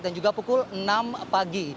dan juga pukul enam pagi